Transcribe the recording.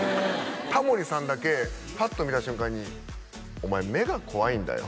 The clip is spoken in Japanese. タモリさんだけパッと見た瞬間に「お前目が怖いんだよ」